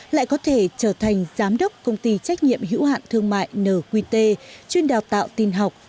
lại có thể trở thành giám đốc công ty trách nhiệm hữu hạn thương mại nqt chuyên đào tạo tin học